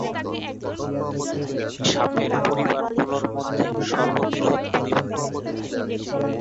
এটি সাপের পরিবারগুলোর মধ্যে সর্ববৃহৎ পরিবার।